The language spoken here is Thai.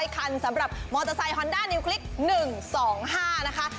คันสำหรับมอเตอร์ไซค์ฮอนด้านิวคลิก๑๒๕นะคะ